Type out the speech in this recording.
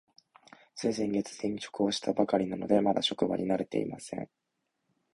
つい先月、転職をしたばかりなので、まだ職場に慣れていません。